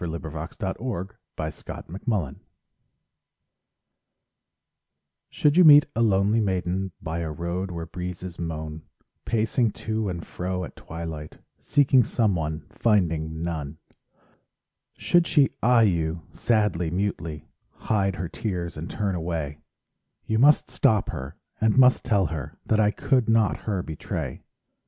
SONGS AND DREAMS I Did Not Betray Should you meet a lonely maiden By a road, where breezes moan, Pacing to and fro at twilight; Seeking someone, finding none; Should she eye you sadly, mutely, Hide her tears and turn away— You must stop her and must tell her That I could not her betray.